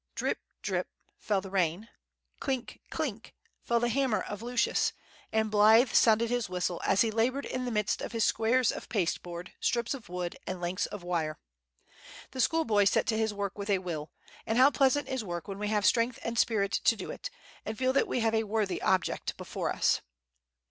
Drip, drip! fell the rain; clink, clink! fell the hammer of Lucius; and blithe sounded his whistle, as he labored in the midst of his squares of pasteboard, strips of wood, and lengths of wire. The schoolboy set to his work with a will; and how pleasant is work when we have strength and spirit to do it, and feel that we have a worthy object before us!